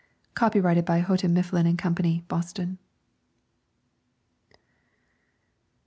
Copyrighted by Houghton, Mifflin and Company, Boston.